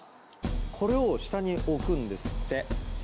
これを下に置くんですって。